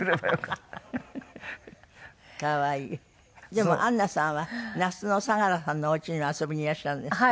でも安奈さんは那須の佐良さんのおうちには遊びにいらっしゃるんですって？